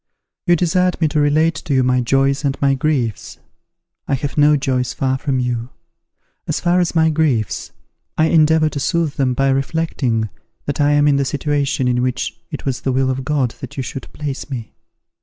"You desired me to relate to you my joys and my griefs. I have no joys far from you. As far as my griefs, I endeavour to soothe them by reflecting that I am in the situation in which it was the will of God that you should place me.